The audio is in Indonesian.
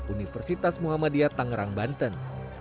universitas muhammadiyah tangerang banten